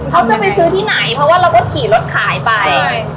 เขาจะไปซื้อที่ไหนเพราะว่าเราก็ขี่รถขายไป